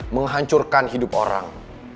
menghancurkan hidup orang